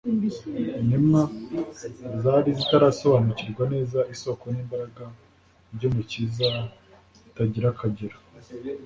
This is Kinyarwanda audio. Intumwa zari zitarasobanukirwa neza isoko n'imbaraga by'Umukiza bitagira akagero.